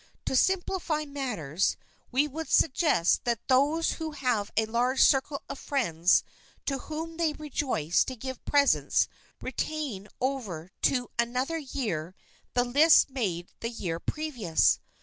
To simplify matters we would suggest that those who have a large circle of friends to whom they rejoice to give presents retain over to another year the list made the year previous.